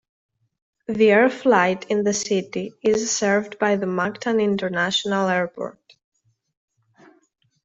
The air flight in the city is served by the Mactan International Airport.